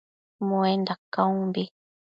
Muainda caumbi